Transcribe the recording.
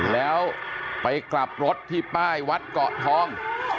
แล้วไปกลับรถที่ป้ายวัดเกาะทอง